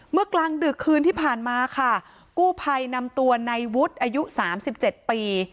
เมื่อกลางดึกคืนที่ผ่านมาค่ะกู้ภัยนำตัวในวุฒิอายุ๓๗ปี